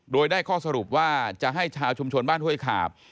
โดยได้ข้อสรุปว่าจะให้ชาวชุมชนบ้านห้วยขาบ